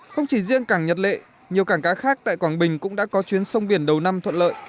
không chỉ riêng cảng nhật lệ nhiều cảng cá khác tại quảng bình cũng đã có chuyến sông biển đầu năm thuận lợi